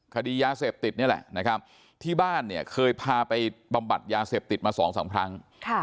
คดียาเสพติดนี่แหละนะครับที่บ้านเนี่ยเคยพาไปบำบัดยาเสพติดมา๒๓ครั้ง